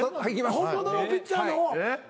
本物のピッチャーの方。